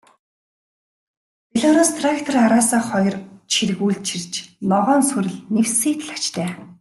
Белорусс трактор араасаа хоёр чиргүүл чирч, ногоон сүрэл нэвсийтэл ачжээ.